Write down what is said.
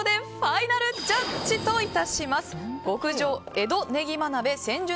ファイナルジャッジお願いいたします。